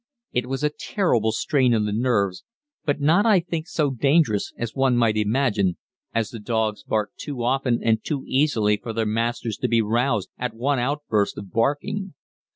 It was a terrible strain on the nerves, but not, I think, so dangerous as one might imagine, as the dogs barked too often and too easily for their masters to be roused at one outburst of barking.